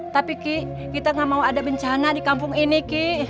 tapi ki kita gak mau ada bencana di kampung ini ki